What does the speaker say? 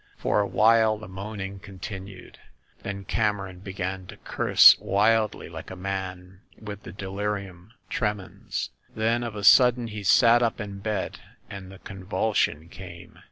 For a while the moan ing continued; then Cameron began to curse wildly, like a man with the delirium tremens. Then of a sud den he sat up in bed, and the convulsion came.